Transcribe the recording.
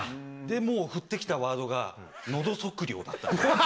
でもう降ってきたワードが「のど測量」だったんで。